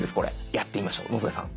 やってみましょう野添さん。